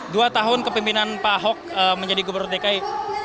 dua tahun kepimpinan pak ahok menjadi gubernur dki